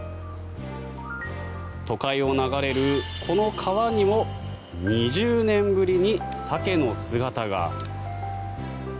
都会を流れるこの川にも２０年ぶりにサケの姿が。